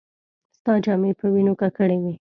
ستا جامې په وينو ککړې وې.